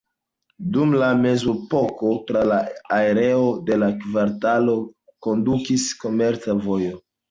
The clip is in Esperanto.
Dum la mezepoko tra la areo de la kvartalo kondukis komerca vojo.